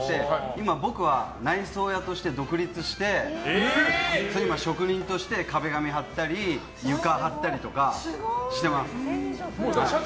今、僕は内装屋として独立して今、職人として壁紙張ったり床、張ったりとかしてます。